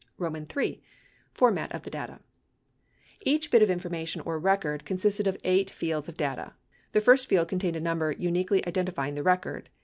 III. FORMAT OF THE DATA Each bit of information or "record" consisted of eight fields of data. The first field contained a number uniquely identifying the record.